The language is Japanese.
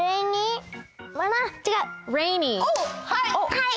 はい！